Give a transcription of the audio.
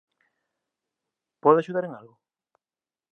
Podo axudar en algo?